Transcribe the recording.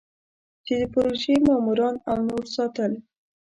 چې د پروژې ماموران او نور ساتل.